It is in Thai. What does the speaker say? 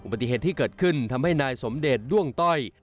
ปฏิเหตุที่เกิดขึ้นทำให้นายสมเดชด้วงต้อย